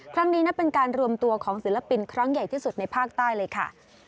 ครั้งนี้นับเป็นการรวมตัวของศิลปินครั้งใหญ่ที่สุดในภาคใต้เลยค่ะ